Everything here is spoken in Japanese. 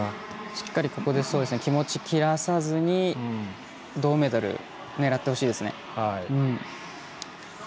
しっかり、ここで気持ち、切らさずに銅メダル狙ってほしいですね。